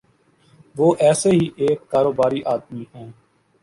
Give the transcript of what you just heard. وہ ایسے ہی ایک کاروباری آدمی ہیں۔